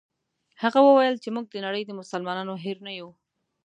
هغه وویل چې موږ د نړۍ د مسلمانانو هېر نه یو.